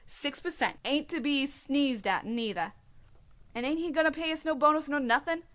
Six per cent. ain't to be sneezed at, neither." "And ain't he going to pay us no bonus nor nothing?"